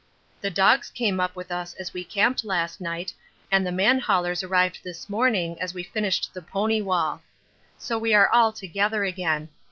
The dogs came up with us as we camped last night arid the man haulers arrived this morning as we finished the pony wall. So we are all together again.